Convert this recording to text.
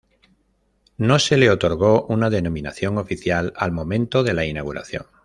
No se le otorgó una denominación oficial al momento de la inauguración.